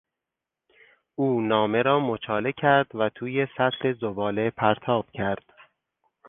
او نامه را مچاله کرد و توی سطل زباله پرتاب کرد.